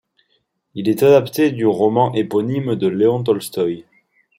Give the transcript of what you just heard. Il est adapté du roman éponyme de Léon Tolstoï.